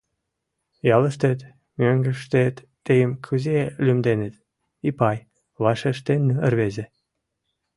Ялыштет, мӧҥгыштет тыйым кузе лӱмденыт?» «Ипай», — вашештен рвезе.